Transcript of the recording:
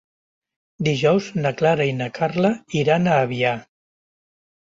Dijous na Clara i na Carla iran a Avià.